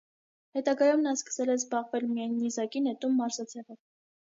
Հետագայում նա սկսել է զբաղվել միայն նիզակի նետում մարզաձևով։